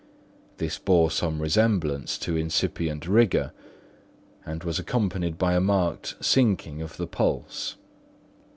This bore some resemblance to incipient rigour, and was accompanied by a marked sinking of the pulse.